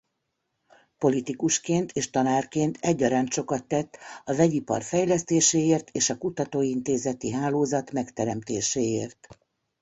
Politikusként és tanárként egyaránt sokat tett a vegyipar fejlesztéséért és a kutatóintézeti hálózat megteremtéséért.